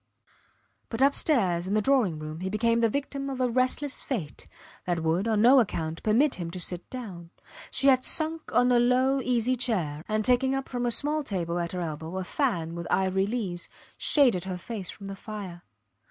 But upstairs in the drawing room he became the victim of a restless fate, that would, on no account, permit him to sit down. She had sunk on a low easy chair, and taking up from a small table at her elbow a fan with ivory leaves, shaded her face from the fire.